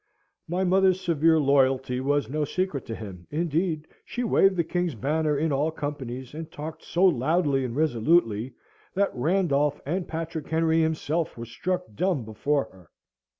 My mother's severe loyalty was no secret to him; indeed, she waved the king's banner in all companies, and talked so loudly and resolutely, that Randolph and Patrick Henry himself were struck dumb before her.